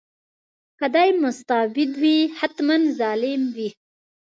که دی مستبد وي حتماً ظالم وي.